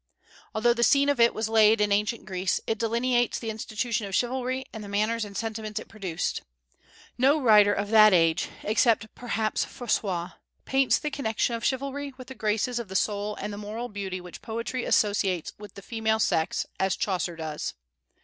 Although the scene of it was laid in ancient Greece, it delineates the institution of chivalry and the manners and sentiments it produced. No writer of that age, except perhaps Froissart, paints the connection of chivalry with the graces of the soul and the moral beauty which poetry associates with the female sex as Chaucer does.